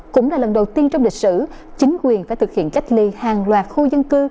cũng là lần đầu tiên trong lịch sử chính quyền phải thực hiện cách ly hàng loạt khu dân cư